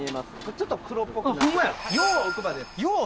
ちょっと黒っぽくなってる。